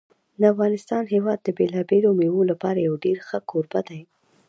د افغانستان هېواد د بېلابېلو مېوو لپاره یو ډېر ښه کوربه دی.